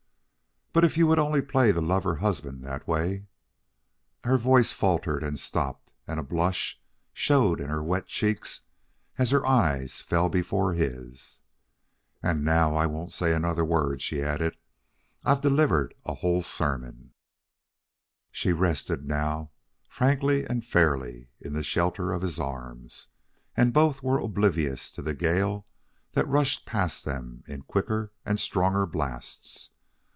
"But if you would only play the lover husband that way " Her voice faltered and stopped, and a blush showed in her wet cheeks as her eyes fell before his. "And now I won't say another word," she added. "I've delivered a whole sermon." She rested now, frankly and fairly, in the shelter of his arms, and both were oblivious to the gale that rushed past them in quicker and stronger blasts.